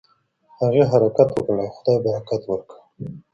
هغې حرکت وکړ او خدای برکت ورکړ.